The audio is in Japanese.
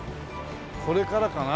これからかな？